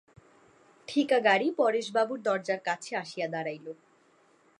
ঠিকা গাড়ি পরেশবাবুর দরজার কাছে আসিয়া দাঁড়াইল।